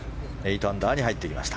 ８アンダーに入ってきました。